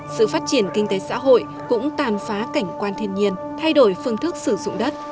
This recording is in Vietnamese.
sự phát triển kinh tế xã hội cũng tàn phá cảnh quan thiên nhiên thay đổi phương thức sử dụng đất